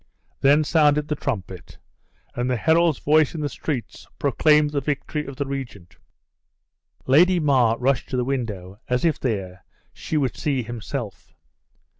Then sounded the trumpet; and the herald's voice in the streets proclaimed the victory of the regent. Lady mar rushed to the window, as if there she would see himself.